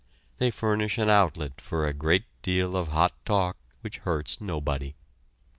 They furnish an outlet for a great deal of hot talk which hurts nobody.